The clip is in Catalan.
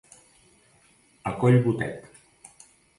A coll botet.